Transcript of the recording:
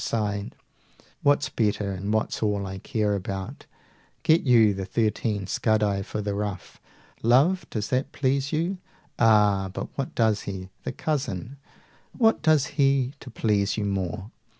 Beside, What's better and what's all I care about, 240 Get you the thirteen scudi for the ruff! Love, does that please you? Ah, but what does he, The Cousin! what does he to please you more?